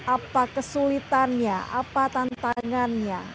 apa kesulitannya apa tantangannya